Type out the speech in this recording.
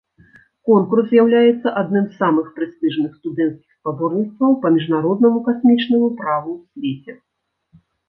Конкурс з'яўляецца адным з самых прэстыжных студэнцкіх спаборніцтваў па міжнароднаму касмічнаму праву ў свеце.